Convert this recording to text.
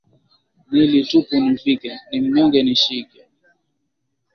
Nili tupu nivike, ni mnyonge nishike